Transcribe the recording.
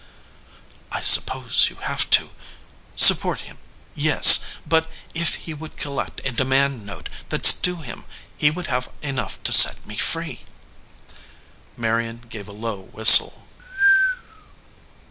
"I suppose you have to " "Support him, yes. But if he would collect a demand note that s due him he would have enough to set me free." Marion gave a low whistle.